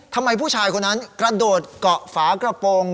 ทำไมผู้ชายคนนั้นกระโดดเกาะฝากระโปรง